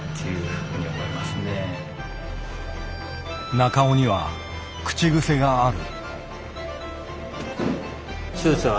中尾には口癖がある。